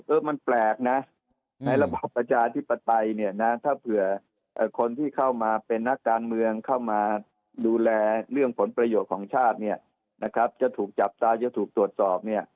เออมันแปลกนะในระบอบประชาธิปไตยเนี่ยนะถ้าเผื่อคนที่เข้ามาเป็นนักการเมืองเข้ามาดูแลเรื่องผลประโยชน์ของชาติเนี่ยนะครับจะถูกจับตาจะถูกตรวจสอบเนี่ย